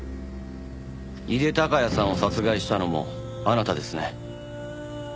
井手孝也さんを殺害したのもあなたですね。